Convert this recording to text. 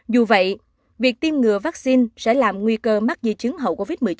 dù vậy việc tiêm ngừa vaccine sẽ làm nguy cơ mắc di chứng hậu covid một mươi chín